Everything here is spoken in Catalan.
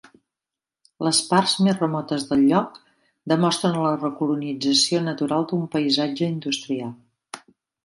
Les parts més remotes del lloc demostren la recolonització natural d'un paisatge industrial.